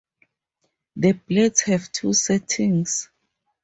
The blades have two settings.